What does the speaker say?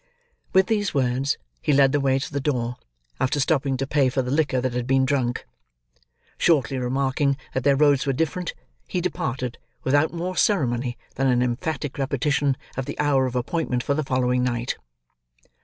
With these words, he led the way to the door, after stopping to pay for the liquor that had been drunk. Shortly remarking that their roads were different, he departed, without more ceremony than an emphatic repetition of the hour of appointment for the following night.